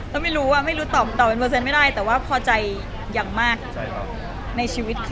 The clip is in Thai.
ก็ไม่รู้ไม่รู้ตอบเป็นเปอร์เซ็นไม่ได้แต่ว่าพอใจอย่างมากในชีวิตค่ะ